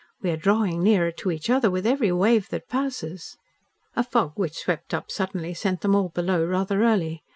We are drawing nearer to each other with every wave that passes." A fog which swept up suddenly sent them all below rather early.